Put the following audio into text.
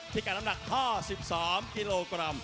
ที่การน้ำหนัก๕๓กิโลกรัม